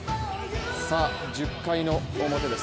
１０回の表です。